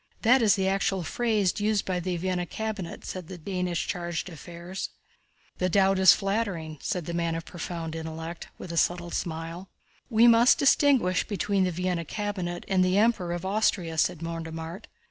That is the actual phrase used by the Vienna cabinet," said the Danish chargé d'affaires. "The doubt is flattering," said "the man of profound intellect," with a subtle smile. "We must distinguish between the Vienna cabinet and the Emperor of Austria," said Mortemart.